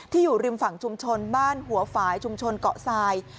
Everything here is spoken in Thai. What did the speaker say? อยู่ริมฝั่งชุมชนบ้านหัวฝ่ายชุมชนเกาะทราย